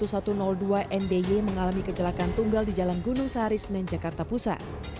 dan bernomor polisi b seribu satu ratus dua ndy mengalami kecelakaan tunggal di jalan gunung saharis nenjakarta pusat